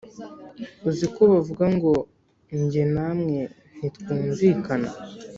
uzi ko bavuga ngo jye namwe ntitwumvikana,